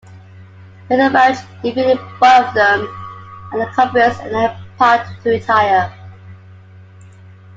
Prithviraj defeated both of them, and convinced Anangpal to retire.